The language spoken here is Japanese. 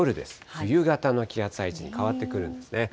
冬型の気圧配置に変わってくるんですね。